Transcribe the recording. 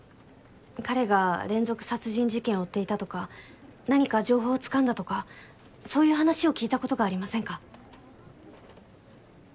彼が連続殺人事件を追っていたとか何か情報を掴んだとかそういう話を聞いたことがありませんか？